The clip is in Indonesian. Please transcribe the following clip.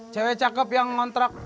cewek cakep yang ngontrak